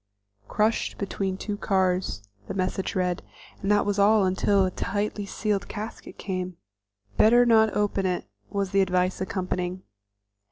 "Crushed between two cars," the message said, and that was all until a tightly sealed casket came. "Better not open it," was the advice accompanying.